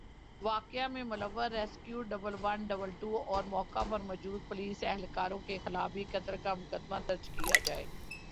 کہ واقعہ میں ملوث rescue double one double two اور موقع پر موجود پولیس اہلکاروں کے خلاف بھی قتل کا مقدمہ درج کیا جائے